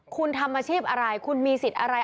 คุณทำอาชีพอะไรคุณมีสิทธิ์อะไร